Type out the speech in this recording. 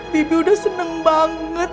bibi udah seneng banget